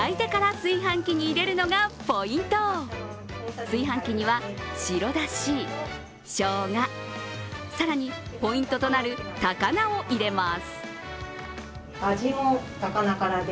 炊飯器には白だし、しょうが、更にポイントとなる高菜を入れます。